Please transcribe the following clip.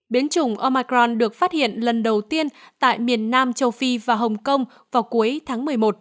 biến chủng omarn được phát hiện lần đầu tiên tại miền nam châu phi và hồng kông vào cuối tháng một mươi một